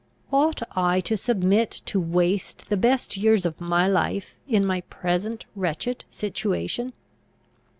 Ought I to submit to waste the best years of my life in my present wretched situation?